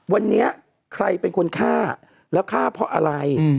วันนี้ใครเป็นคนฆ่าแล้วฆ่าเพราะอะไร